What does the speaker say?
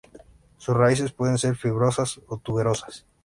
Sus raíces pueden ser fibrosas o tuberosas.